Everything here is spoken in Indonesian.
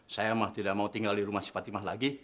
saya mah tidak mau tinggal di rumah si fatimah